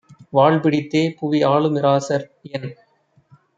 வாள்பிடித் தேபுவி ஆளுமிராசர் என்